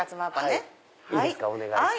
いいですかお願いして。